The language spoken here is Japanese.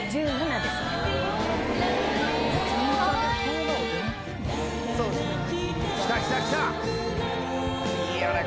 １７ですね。